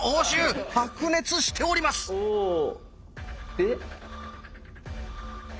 で？